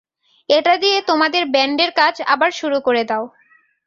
এটা দিয়ে তোমাদের ব্যান্ডের কাজ আবার শুরু করে দাও!